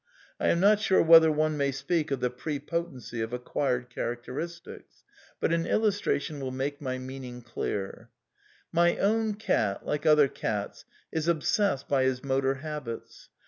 (I am not sure whether one may speak of the pre potency of acquired characteristics! But an illustration will make my meaning clear.) My own cat, like other cats, is obsessed by his motor habits.